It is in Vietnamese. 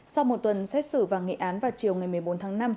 sau một tuần xét xử và nghị án vào chiều ngày một mươi bốn tháng năm